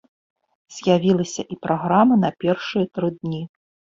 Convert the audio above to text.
З'явілася і праграма на першыя тры дні.